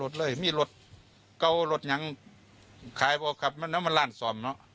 สี่ขั้นเค้าซื้อไปหันละ